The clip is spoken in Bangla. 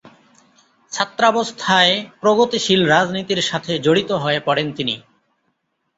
ছাত্রাবস্থায় প্রগতিশীল রাজনীতির সাথে জড়িত হয়ে পড়েন তিনি।